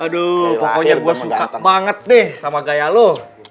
aduh pokoknya gua suka banget nih sama gaya lu